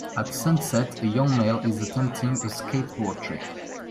At sunset a young male is attempting a skateboard trick